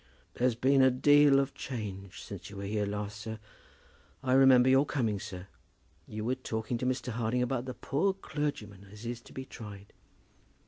"There's been a deal of change since you were here last, sir. I remember your coming, sir. You were talking to Mr. Harding about the poor clergyman as is to be tried."